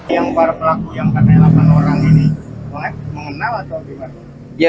yang para pelaku yang katanya delapan orang ini mengenal atau tidak